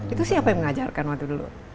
itu siapa yang mengajarkan waktu dulu